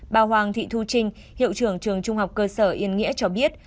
bà hoàng thị thu trinh hiệu trưởng trường trung học cơ sở yên nghĩa cho biết